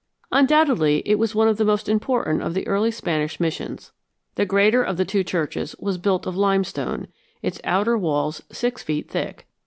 Undoubtedly, it was one of the most important of the early Spanish missions. The greater of the two churches was built of limestone, its outer walls six feet thick.